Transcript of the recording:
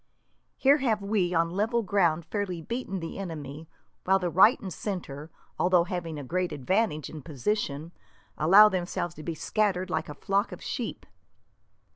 Here have we, on level ground, fairly beaten the enemy, while the right and centre, although having a great advantage in position, allow themselves to be scattered like a flock of sheep."